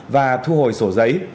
và thu hồi sổ giấy